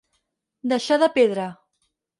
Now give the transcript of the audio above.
Deixar de pedra.